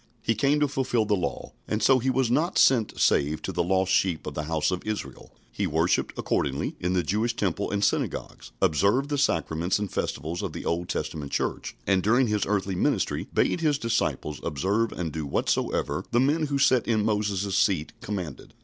He came to fulfil the law, and so He was not sent save to the lost sheep of the house of Israel. He worshipped, accordingly, in the Jewish temple and synagogues, observed the sacraments and festivals of the Old Testament Church, and during His earthly ministry bade His disciples observe and do whatsoever the men who sat in Moses' seat commanded.